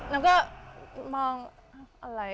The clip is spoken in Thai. แล้วก็มองอะไร